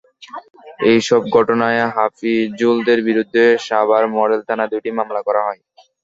এসব ঘটনায় হাফিজুলদের বিরুদ্ধে সাভার মডেল থানায় দুটি মামলা করা হয়।